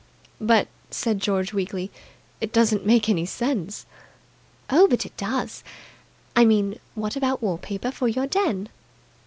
"But," said George weakly, "it doesn't make any sense." "Oh, but it does. I mean, what about wall paper for your den?"